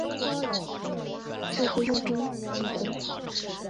费城勇士是拥有最多次地缘选秀选秀权的球队。